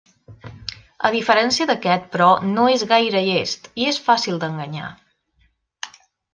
A diferència d'aquest, però, no és gaire llest i és fàcil d'enganyar.